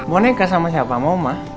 boneka sama siapa sama oma